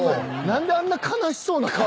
何であんな悲しそうな顔。